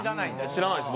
知らないです